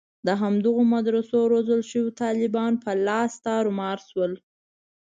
د همدغو مدرسو روزل شویو طالبانو په لاس تارومار شول.